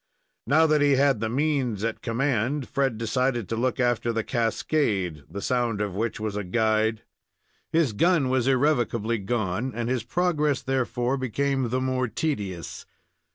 Now that he had the means at command, Fred decided to look after the cascade, the sound of which was a guide. His gun was irrevocably gone, and his progress, therefore, became the more tedious.